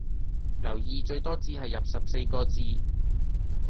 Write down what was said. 留意最多只係入十四個字